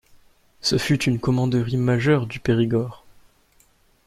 Ce fut une commanderie majeure du Périgord.